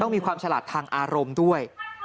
มีความฉลาดทางอารมณ์ด้วย